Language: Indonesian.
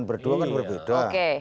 berdua kan berbeda